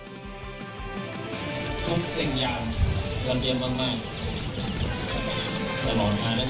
ทุกสิ่งยามเรากำลังเตรียมมาก